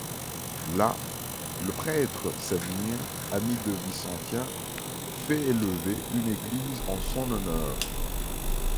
Là, le prêtre Savinien, ami de Vicentien, fait élever une église en son honneur.